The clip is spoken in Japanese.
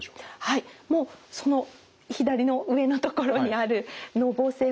はいもうその左の上のところにあるのぼせほてり